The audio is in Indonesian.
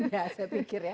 mungkin ya saya pikir ya